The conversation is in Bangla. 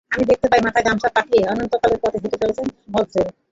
আমি দেখতে পাই, মাথায় গামছা পাকিয়ে অনন্তকালের পথে হেঁটে চলেছে মজ্জেল।